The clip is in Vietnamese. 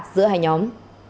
giữa hai nhóm